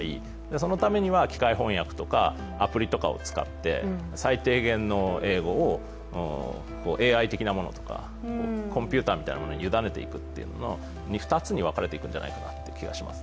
そのためには機械翻訳とかアプリとかを使って最低限の英語をＡＩ的なものとかコンピューターみたいなものゆだねていくという２つに分かれていくんじゃないかなと思います。